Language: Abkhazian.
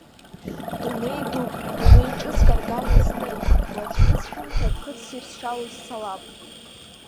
Дунеи дук, дунеи ҿыцк аргама иснырит, уаҵәгьы сшәымҭа аԥхыӡ ссир сшалоу сцалап!